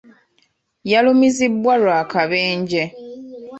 Yalumizibwa lw'akabenje.